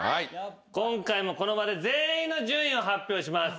今回もこの場で全員の順位を発表します。